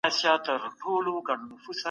په دې تله کې هېڅ کمی نشته.